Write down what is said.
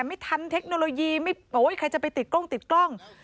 ไม่ทันเทคโนโลยีไม่บอกว่าใครจะไปติดกล้องติดกล้อง